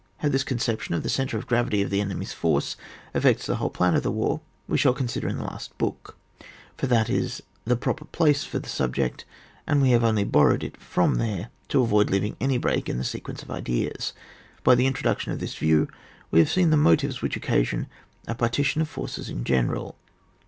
How this conception of the centre of gravity of the enemy's force affects the whole plan of the war, we shall consider in the last book, for that is the proper place for the subject, and we have only borrowed it from there to avoid leaving any break in the sequence of ideas. By the introduction of this view we have seen the motives which occasion a partition of forces in general.